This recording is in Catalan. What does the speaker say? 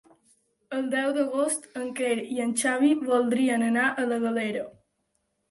El deu d'agost en Quer i en Xavi voldrien anar a la Galera.